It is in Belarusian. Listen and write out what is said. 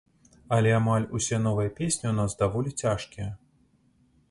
Але амаль усе новыя песні ў нас даволі цяжкія.